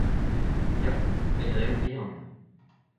Ya, met reoù bihan.